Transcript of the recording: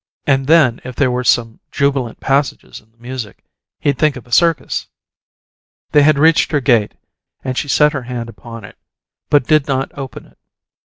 And then, if there were some jubilant passages in the music, he'd think of a circus." They had reached her gate, and she set her hand upon it, but did not open it.